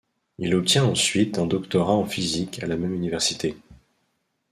Il obtient ensuite un doctorat en physique à la même université.